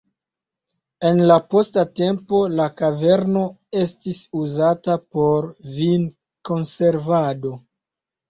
En la posta tempo la kaverno estis uzata por vin-konservado.